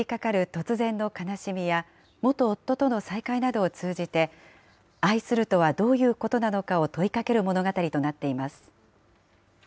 突然の悲しみや、元夫との再会などを通じて、愛するとはどういうことなのかを問いかける物語となっています。